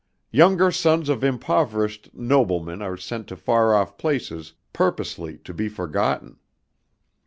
Younger sons of impoverished noblemen are sent to far off places purposely to be forgotten.